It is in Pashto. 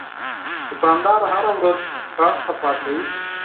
دوکاندار هره ورځ دوکان صفا کوي.